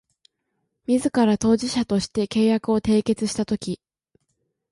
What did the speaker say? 自ら当事者として契約を締結したとき